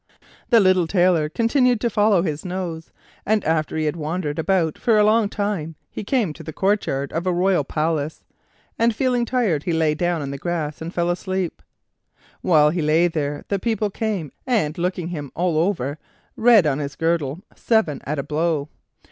The Little Tailor continued to follow his nose, and after he had wandered about for a long time he came to the courtyard of a royal palace, and feeling tired he lay down on the grass and fell asleep. While he lay there the people came, and looking him all over read on his girdle, "Seven at a blow."